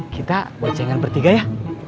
kita wajah dengan bertiga ya